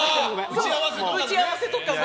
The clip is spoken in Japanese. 打ち合わせとかも。